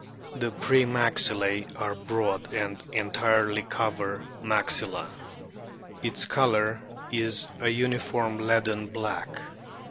The pre maxillae are broad and entirely cover maxilla. Its colour is a uniform leaden black.